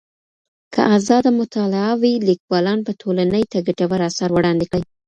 که ازاده مطالعه وي، ليکوالان به ټولني ته ګټور اثار وړاندې کړي.